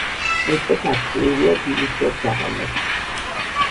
მეტად აქტიურია დილით და საღამოს.